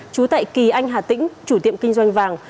trú tại kỳ anh hà tĩnh chủ tiệm kinh doanh vàng